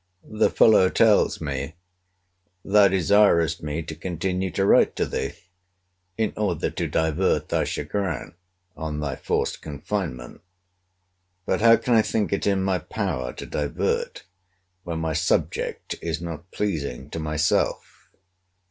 The fellow tells me, thou desirest me to continue to write to thee in order to divert thy chagrin on thy forced confinement: but how can I think it in my power to divert, when my subject is not pleasing to myself?